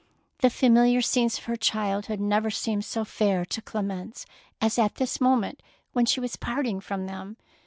The familiar scenes of her childhood never seemed so fair to Clemence as at this moment when she was parting from them.